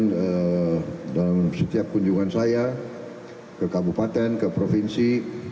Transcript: kemudian dalam setiap kunjungan saya ke kabupaten ke provinsi